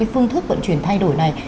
phương thức vận chuyển thay đổi này